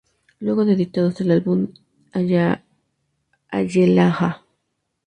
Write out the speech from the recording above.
Luego de editados el álbum "Hallelujah!